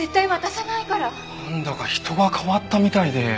なんだか人が変わったみたいで。